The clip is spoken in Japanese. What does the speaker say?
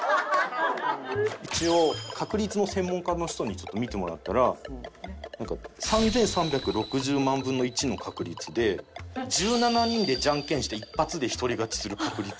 一応確率の専門家の人にちょっと見てもらったらなんか３３６０万分の１の確率で１７人でじゃんけんして一発で一人勝ちする確率。